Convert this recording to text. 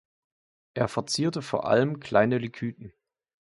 Er verzierte vor allem kleine Lekythen.